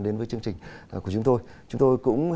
đến với chương trình của chúng tôi chúng tôi cũng